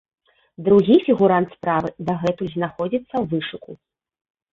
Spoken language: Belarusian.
Другі фігурант справы дагэтуль знаходзіцца ў вышуку.